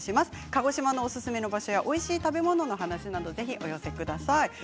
鹿児島のおすすめの場所やおいしい食べ物の話などお寄せください。